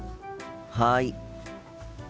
はい。